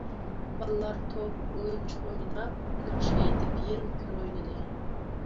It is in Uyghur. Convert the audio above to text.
بالىلار توپ، ئويۇنچۇق ئويناپ، ناخشا ئېيتىپ... يېرىم كۈن ئوينىدى.